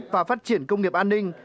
và phát triển công nghiệp an ninh